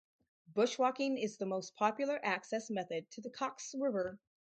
Bushwalking is the most popular access method to the Coxs River.